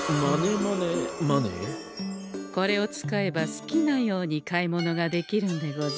これを使えば好きなように買い物ができるんでござんす。